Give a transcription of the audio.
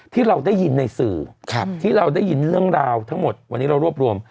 ที่เราได้ยินในสื่อที่เราได้ยินเรื่องราวทั้งหมดวันนี้เรารวบรวม